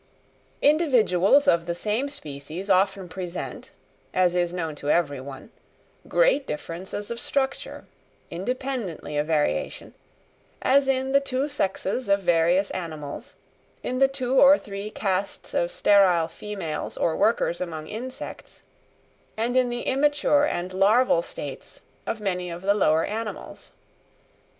Individuals of the same species often present, as is known to every one, great differences of structure, independently of variation, as in the two sexes of various animals, in the two or three castes of sterile females or workers among insects, and in the immature and larval states of many of the lower animals.